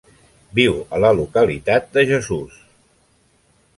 Viu a la localitat de Jesús.